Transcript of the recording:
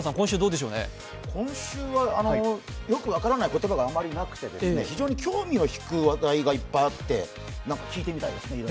今週は、よく分からない言葉があまりなくて、非常に興味を引く話題がいっぱいあって聞いてみたいですね。